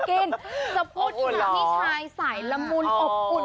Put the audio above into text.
สงสัยที่มีชายสายละมุนอบอุ่น